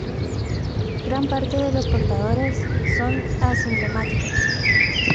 Gran parte de los portadores son asintomáticos.